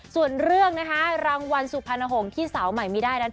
ส่วนเรื่องนะคะรางวัลสุพรรณหงษ์ที่สาวใหม่มีได้นั้น